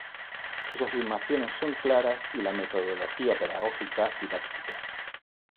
Sus afirmaciones son claras y la metodología pedagógica, didáctica.